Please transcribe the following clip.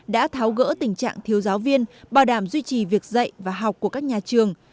đã tháo gỡ tình trạng thiếu giáo viên bảo đảm duy trì việc dạy và học của các nhà trường